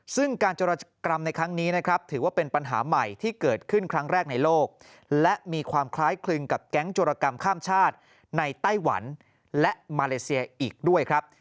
ซึ่งการจรกรรมในครั้งนี้นะครับถือว่าเป็นปัญหาใหม่ที่เกิดขึ้นครั้งแรกในโลกและมีความคล้ายคลึงกับแก๊งโจรกรรมข้ามชาติในไต้หวันและมาเลเซียอีกด้วยครับ